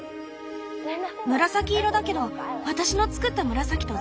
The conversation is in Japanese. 紫色だけど私の作った紫と全然違う。